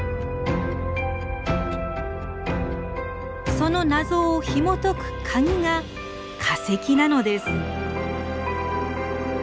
その謎をひもとくカギが化石なのです。